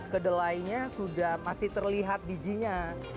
kedelainya sudah masih terlihat bijinya